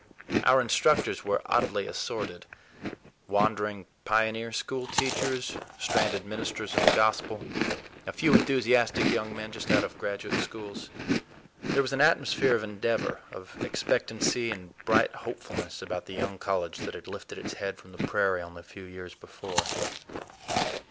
Our instructors were oddly assorted; wandering pioneer school teachers, stranded ministers of the Gospel, a few enthusiastic young men just out of graduate schools. There was an atmosphere of endeavor, of expectancy and bright hopefulness about the young college that had lifted its head from the prairie only a few years before.